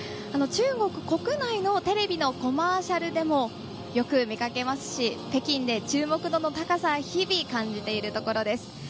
中国国内のテレビのコマーシャルでもよく見かけますし北京で注目度の高さを日々感じているところです。